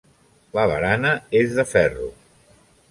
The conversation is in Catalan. La barana és de ferro.